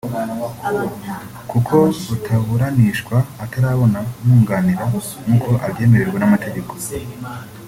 kuko rutaburanishwa atarabona umwunganira nk’uko abyemererwa n’amategeko